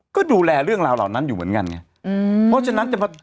ก็ดูแลเรื่องราวเหล่านั้นอยู่เหมือนกันไงอืมเพราะฉะนั้นจะมา